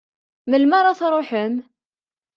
Melmi ara truḥem?